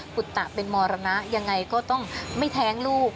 ุตตะเป็นมรณะยังไงก็ต้องไม่แท้งลูก